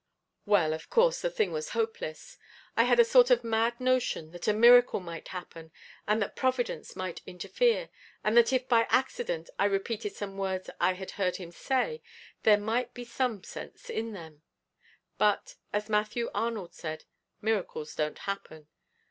... Well of course the thing was hopeless. I had a sort of mad notion that a miracle might happen, and that Providence might interfere, and that if by accident I repeated some words I had heard him say there might be some sense in them but, as Matthew Arnold said, miracles don't happen.